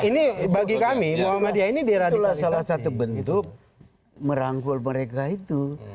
ini bagi kami muhammadiyah ini adalah salah satu bentuk merangkul mereka itu